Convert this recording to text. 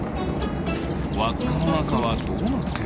わっかのなかはどうなってる？